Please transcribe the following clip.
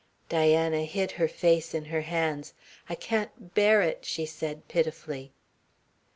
Diana hid her face in her hands. "I can't bear it," she said pitifully.